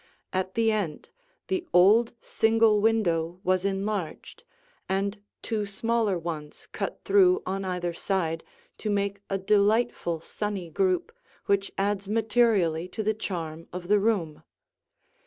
At the end, the old single window was enlarged, and two smaller ones cut through on either side to make a delightful sunny group which adds materially to the charm of the room.